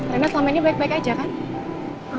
karena selama ini baik baik aja kan